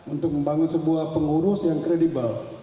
untuk membangun sebuah pengurus yang kredibel